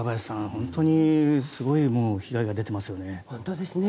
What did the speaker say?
本当にすごい被害が出ていますよね。